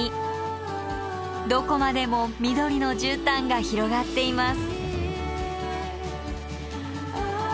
どこまでも緑のじゅうたんが広がっています。